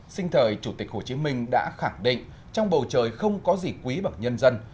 sinh thời chủ tịch hồ chí minh đã khẳng định trong bầu trời không có gì quý bằng nhân dân